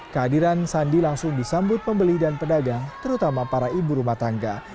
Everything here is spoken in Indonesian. kehadiran sandi langsung disambut pembeli dan pedagang terutama para ibu rumah tangga